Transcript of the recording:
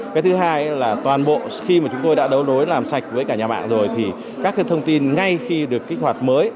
cái thứ hai là toàn bộ khi mà chúng tôi đã đấu nối làm sạch với cả nhà mạng rồi thì các cái thông tin ngay khi được kích hoạt mới